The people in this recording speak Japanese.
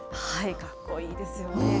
かっこいいですよね。